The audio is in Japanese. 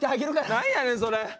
何やねんそれ。